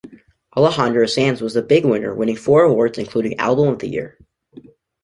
Alejandro Sanz was the big winner winning four awards including Album of the Year.